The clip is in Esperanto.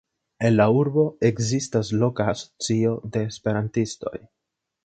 En la urbo ekzistas loka asocio de esperantistoj.